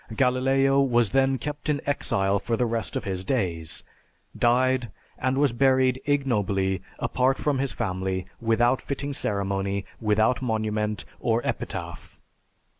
Galileo was then kept in exile for the rest of his days, died, and was buried ignobly, apart from his family, without fitting ceremony, without monument or epitaph.